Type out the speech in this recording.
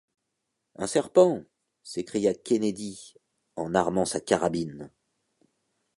Un serpent! s’écria Kennedy en armant sa carabine.